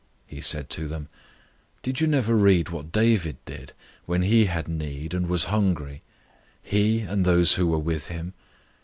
002:025 He said to them, "Did you never read what David did, when he had need, and was hungry he, and those who were with him?